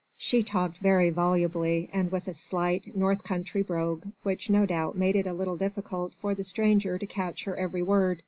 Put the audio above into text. She talked very volubly and with a slight North country brogue which no doubt made it a little difficult for the stranger to catch her every word.